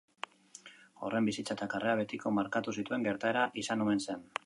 Horren bizitza eta karrera betiko markatu zituen gertaera izan omen zen.